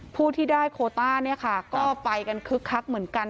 ผู้ที่ได้โควิดอีกก็ไปกันคึกคักเหมือนกัน